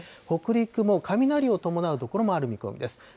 北陸も雷を伴う所もある見込みです。